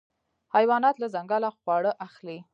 حیوانات له ځنګله خواړه اخلي.